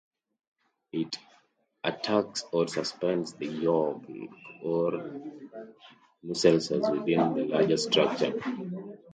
It attaches or suspends the yolk or nucellus within the larger structure.